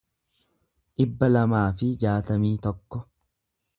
dhibba lamaa fi jaatamii tokko